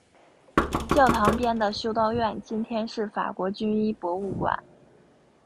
教堂边的修道院今天是法国军医博物馆。